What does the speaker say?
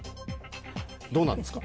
どうなんですか？